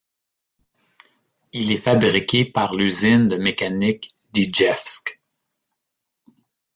Il est fabriqué par l’usine de mécanique d’Ijevsk.